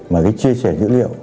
mà chia sẻ dữ liệu